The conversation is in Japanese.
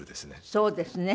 そうですね。